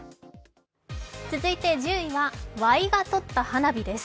続いて１０位はワイが撮った花火です。